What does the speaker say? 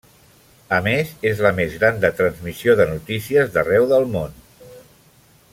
A més, és la més gran de transmissió de notícies d'arreu del món.